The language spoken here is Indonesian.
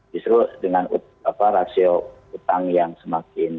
justru dengan rasio utang yang semakin